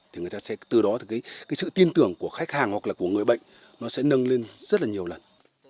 thì người ta sẽ từ đó thì cái sự tin tưởng của khách hàng hoặc là của người bệnh nó sẽ nâng lên rất là nhiều lần